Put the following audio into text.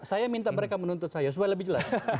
saya minta mereka menuntut saya supaya lebih jelas